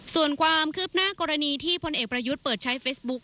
ส่วนความคืบหน้ากรณีที่พลเอกประยุทธ์เปิดใช้เฟซบุ๊ค